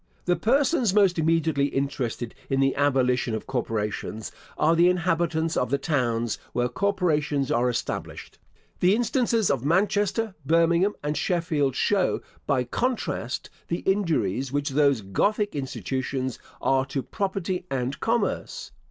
* The persons most immediately interested in the abolition of corporations are the inhabitants of the towns where corporations are established. The instances of Manchester, Birmingham, and Sheffield show, by contrast, the injuries which those Gothic institutions are to property and commerce.